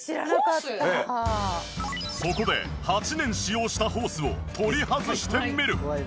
そこで８年使用したホースを取り外してみる。